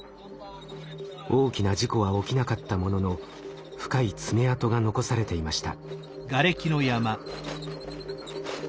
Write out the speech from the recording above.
大きな事故は起きなかったものの深い爪痕が残されていました。